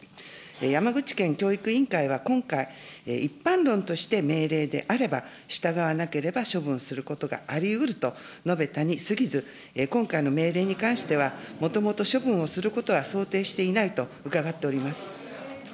山口県教育委員会は今回、一般論として命令であれば、従わなければ処分することがありうると述べたにすぎず、今回の命令に関しては、もともと処分をすることは想定していないと伺っております。